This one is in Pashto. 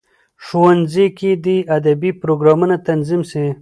ښوونځیو کې دي ادبي پروګرامونه تنظیم سي.